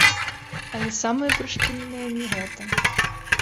Але самае прышпільнае не гэта.